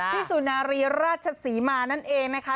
สุนารีราชศรีมานั่นเองนะคะ